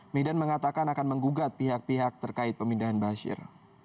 mihdan mengatakan akan menggugat pihak pihak terkait pemindahan baasyir